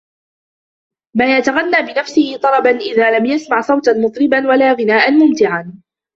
مَا يَتَغَنَّى بِنَفْسِهِ طَرَبًا إذَا لَمْ يَسْمَعْ صَوْتًا مُطْرِبًا وَلَا غِنَاءً مُمْتِعًا